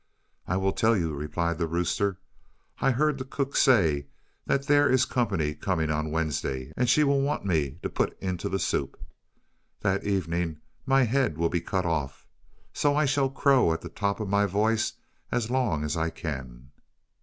"I will tell you," replied the rooster. "I heard the cook say that there is company coming on Wednesday and she will want me to put into the soup. That evening my head will be cut off, so I shall crow at the top of my voice as long as I can."